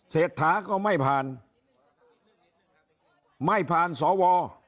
เศรษฐาก็ไม่ผ่านไม่ผ่านสว